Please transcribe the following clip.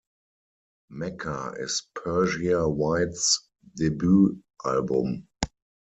Mecca is Persia White's debut album.